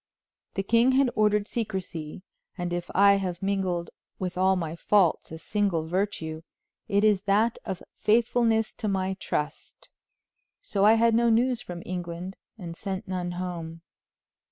The king had ordered secrecy, and if I have mingled with all my faults a single virtue it is that of faithfulness to my trust. So I had no news from England and sent none home.